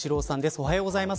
おはようございます。